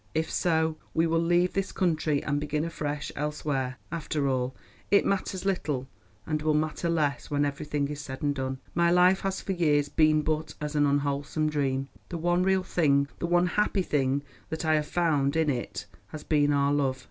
If so, we will leave this country and begin afresh elsewhere. After all, it matters little, and will matter less when everything is said and done. My life has for years been but as an unwholesome dream. The one real thing, the one happy thing that I have found in it has been our love.